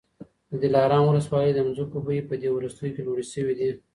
د دلارام ولسوالۍ د مځکو بیې په دې وروستیو کي لوړي سوې دي.